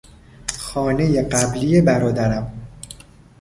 خانهی قبلی برادرم